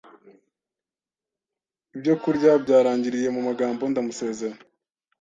ibyo kurya byarangiriye mu magambo ndamusezera,